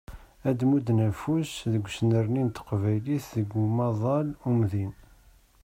Ad d-mudden afus deg usnerni n teqbaylit deg umaḍal umdin.